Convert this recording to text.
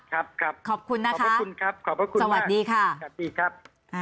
ครับขอบคุณนะคะสวัสดีค่ะขอบคุณมากขอบคุณครับสวัสดีครับ